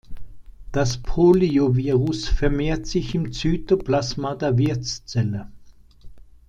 Das Poliovirus vermehrt sich im Zytoplasma der Wirtszelle.